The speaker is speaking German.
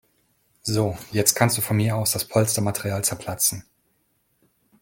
So, jetzt kannst du von mir aus das Polstermaterial zerplatzen.